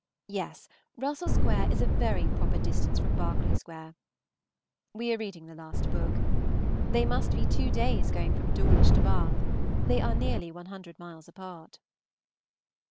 Yes; Russell Square is a very proper distance from Berkeley Square. We are reading the last book. They must be two days going from Dawlish to Bath. They are nearly one hundred miles apart.